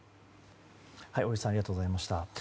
大石さんありがとうございました。